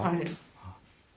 はい。